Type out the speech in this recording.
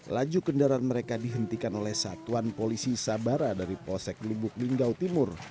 laju kendaraan mereka dihentikan oleh satuan polisi sabara dari polsek lubuk linggau timur